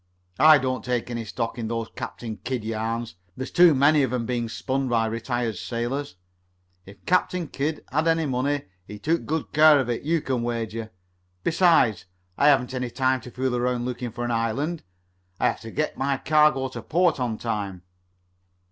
I don't take any stock in those Captain Kidd yarns. There's too many of 'em being spun by retired sailors. If Captain Kidd had any money, he took good care of it, you can wager. Besides, I haven't any time to fool around looking for an island. I have to get my cargo to port on time."